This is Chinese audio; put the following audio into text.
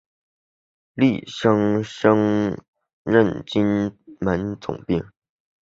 翌年升任金门总兵。